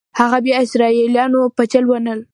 هغه بیا اسرائیلیانو په چل ول.